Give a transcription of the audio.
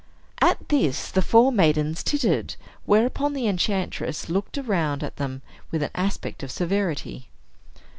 At this the four maidens tittered; whereupon the enchantress looked round at them, with an aspect of severity.